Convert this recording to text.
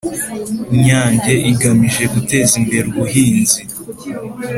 nyange igamije guteza imbere ubuhinzi